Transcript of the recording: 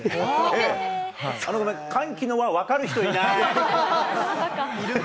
えっ、歓喜の輪、分かる人いない？